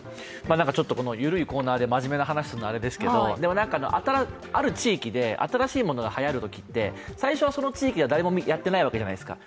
ちょっと緩いコーナーで真面目な話するのあれですけれども、ある地域で新しいものがはやるときって、最初はその地域で誰もやっていないわけじゃないですか、